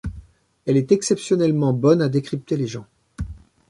Elle est exceptionnellement bonne à décrypter les gens.